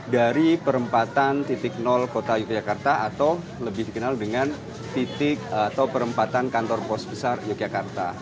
dari perempatan titik nol kota yogyakarta atau lebih dikenal dengan titik atau perempatan kantor pos besar yogyakarta